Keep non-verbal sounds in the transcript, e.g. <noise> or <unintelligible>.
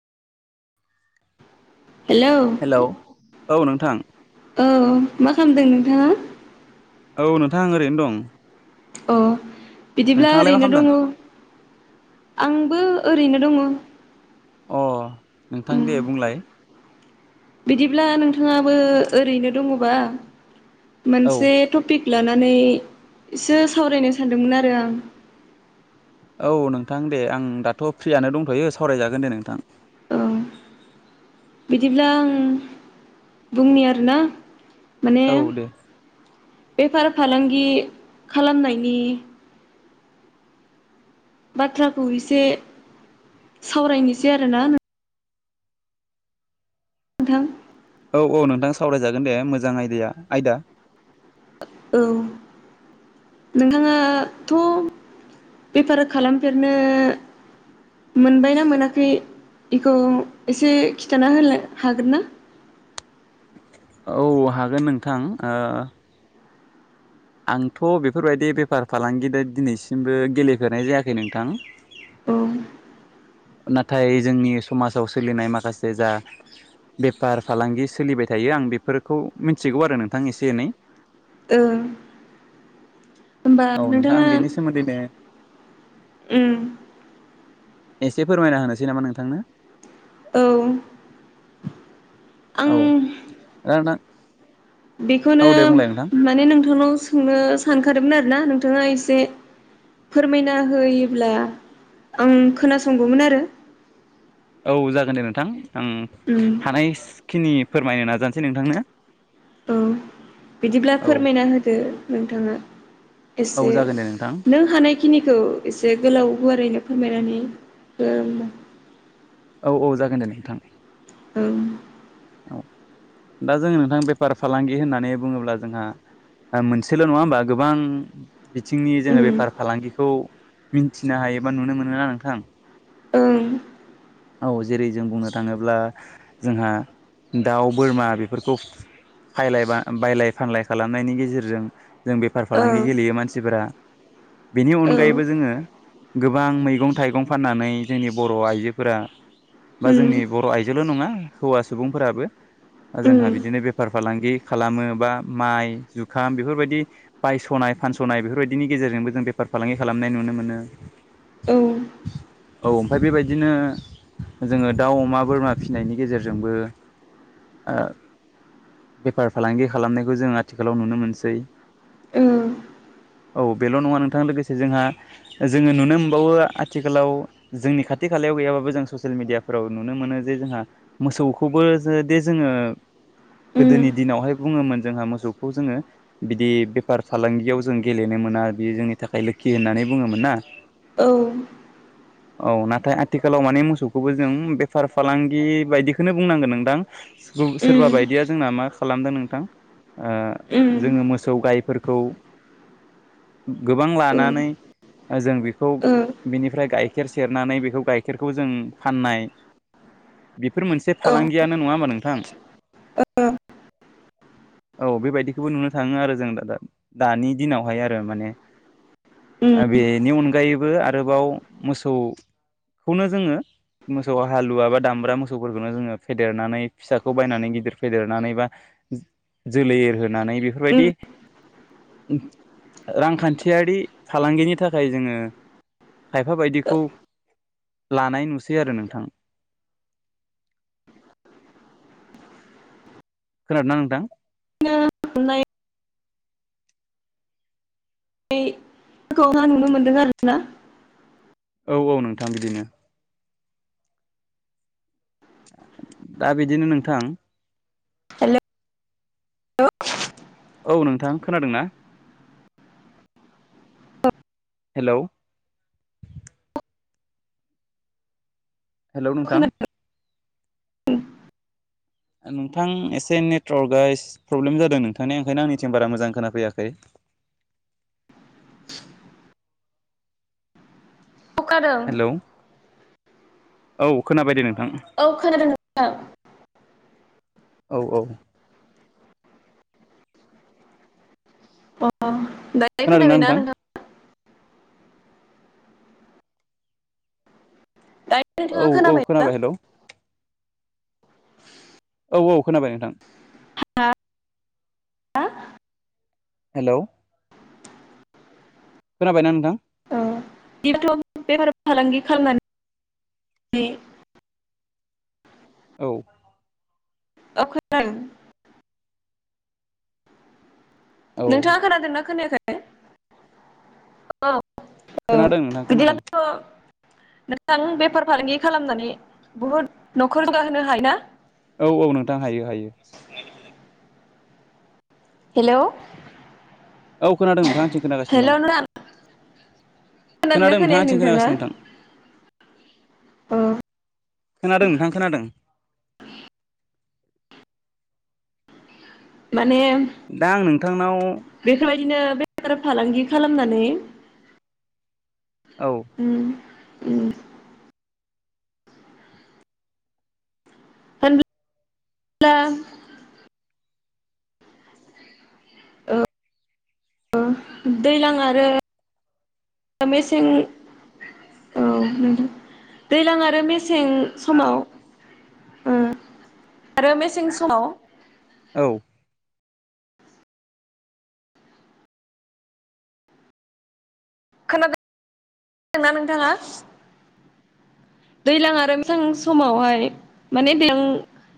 Hello hello औ नोंथां। औ मा खामदों नोंथाङा? औ नोंथां ओरैनो दं। अह बिदिब्ला नोंथाङालाय मा ओरैनो खालामदों दङ आंबो ओरैनो दङ। अह नोंथां उम दे बुंलाय? बिदिब्ला नोंथाङाबो ओरैनो दङबा औ मोनसे टपिक लानानै एसे सावरायनो सानदोंमोन आरो आं। औ नोंथां दे आं दाथ' फ्रियानो दंथ'यो सावरायजागोन दे नोंथां। औ बिदिब्ला आं बुंनि आरोना। माने औ दे। बेफार फालांगि खालामनायनि बाथ्राखौ एसे सावरायनोसै आरोना नों थां। औ औ नोंथां सावरायजागोन दे मोजां आयदिया आयदा औ। नोंथाङाथ' बेफार खालामफेरनो मोनबायना मोनाखै? इखौ एसे खिथाना होलाय हागोन ना? औ हागोन नोंथां ओ आंथ बेफोरबायदि बेफार फालांगिद दिनैसिमबो गेलेफेरनाय जायाखै नोंथां । औ । नाथाय जोंनि समाजाव सोलिनाय माखासे जा बेफार फालांगि सोलिबाय थायो आं बेफोरखौ मिथिगौ आरो नोंथां एसे एनै । ओं । औ नोंथां आं बेनि सोमोन्दै नो उम । एसे फोरमायना होनोसै नामा नोंथांनो? औ आं औ दा‌ नोंथां । बेखौनो माने नोंथांनाव सोंनो सानखादोंमोन आरोना नोंथाङा एसे फोरमायना होयोब्ला आं खोनासंगौमोन आरो औ जागोन दे नोंथां आं उम हानाय खिनि फोरमायनो नाजानोसै नोंथांनो औ बिदिब्ला औ फोरमायना होदो नोंथाङा औ एसे जागोन दे नोंथां नों हानायखिनिखौ एसे गोलाव गुवारैनो फोरमायनानै हो ओमबा औ औ जागोन दे नोंथां औ औ दा जों नोंथां बेफार फालांगि होननानै बुङोब्ला जोंहा मोनसेल नङा होमबा गोबां बिथिंनि जोङो उम बेफार फालांगिखौ मिन्थिनो हायोबा नुनो मोनोना नोंथां ओं औ जेरै जों बुंनो थाङोब्ला जोंहा दाउ बोरमा बेफोरखौ फायलाय बा बायलाय फानलाय खालामनायनि गेजेरजों जों बेफार फालांगि ओं गेलेयो मानसिफोरा बेनि औ अनगायैबो जोङो गोबां मैगं थाइगं फाननानै जोंनि बर‌ आइजोफोरा बा उम जोंनि बर आयजोल नङा हौवा सुबुंफोराबो जोंहा उम बिदिनो बेफार फालांगि खालामो बा माइ जुखाम बेफोरबायदि बायसनाय बे फानसनाय बेफोरबायदिनि गेजेरजोंबो जों बेफार फालांगि खालामनाय नुनो मोनो औ ओ औ ओमफाय बेबायदिनो जोङो दाउ अमा बोरमा फिसिनायनि गेजेरजोंबो आ बेफार फालांगि खालामनायखौ जों आथिखालाव नुनो मोनसै <inaudible> औ बेल नङा नोंथां लोगोसे जोंहा जोङो नुनो मोनबावो आथिखालाव जोंनि खाथि खा खालायाव गैयाबो जों ससियेल मिदियाफोराव ननो मोनो जे जोंहा मोसौखौ खौबो जो दे जोङो गोदोनि दिनावहाय बुङोमोन जोंहा मोसौखौ जोङो बिदि बेफार फालांगियाव जों गेलेनो मोना बेयो जोंनि थाखाय लोखि खि होननानै बुङोमोन ना औ औ नाथाय आथिखालाव माने मोसौखौबो जों बेफार फालांगि बायदिखौनो बुंनांगोन नोंथां सोरबा उम बायदिया जोंना मा खालामदों नोंथां आ उम जोङो मोसौ गायफोरखौ खौ गोबां औ लानानै जों बेखौ ओ बिनिफ्राय गाइखेर सेरनानै बेखौ गाइखेरखौ जों फाननाय बेफोर मोनसे औ फालांगियानो नङा होमबा नों ओ <inaudible> औ बेबायदिखौबो नुनो थाङो आरो जों दा दा दा दानि दिनावहाय आरो माने ओ उम बेनि अनगायैबो आरोबाव मोसौ खौनो जोङो मोसौ हालुवा बा दामब्रा मोसौ मोसौफोरखौनो जोङो फेेदेरनानै फिसाखौ बायनानै गिदिर फेदेरनानै बा जोलै एरहो नानै बेफोरबायदि उम रांखान्थियारि फालांगिनि थाखाय जोङो खायफा बायदिखौ लानाय नुसै आरो नोंथां। खोनादोंना नोंथां? <unintelligible> <unintelligible> नखौहा नुनो मोनदों आरोना। औ औ नोंथां बिदिनो। दा बिदिनो नोंथां हेल' ल' औ नोंथां खोनादों ना? हेलौ हेलौ नोंथां। उम नोंथां एसे नेटवर्कआ एस प्रब्लेम जादों नोंथांना ओंखायनो आंनिथिं बारा मोजां खोनाफैयाखै। <inaudible> अखादों हेलौ औ खोनाबायदे नों औ खोनादों नोंथां। औ औ अ दायो खोनादोंना खोनाबायना नोंथां नोंथांआ? दायो नोंथाङा औ औ ना खोनाबाय हेलौ। औ औ खोनाबाय नोंथां। <unintelligible> हेलौ खोनाबायना नोंथां? औ बिथ' बेफार फालांगि खालामनानै बे औ ओ खोनादों औ नोंथाङा खोनादोंना खोनायाखै औ। औ खोनादों नोंथां खोनादों बिदिब्लाथ' नोंथां बेफार फालांगि खालामनानै बुहुद न'खर जौगाहोनो हाय ना? औ औ नोंथां हायो हायो। हेलौ औ खोनादों नोंथां आंनिथिं खोनागासिनो दं। हेलौ नोंथां खोनादोंना खोनादों नोंथां खोनायाखै आंनिथिं नोंथाङा खोनागासिनो नोंथां। अ खोनादों नोंथां खोनादों। माने दा आं नोंथांनाव माने औ उम उम। होन ब्ला ओ ओ दैलां आरो ओ मेसेज औ नोंथां दैलां आरो मेसें समाव ओ <inaudible> आरो मेसें समाव औ खोनादों ना नोंथाङा? दैज्लां आरो मेसेबां समावहाय माने <unintelligible>